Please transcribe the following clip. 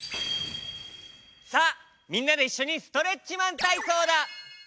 さあみんなでいっしょに「ストレッチマンたいそう」だ。